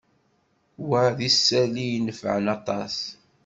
Wa d isali i inefεen aṭas.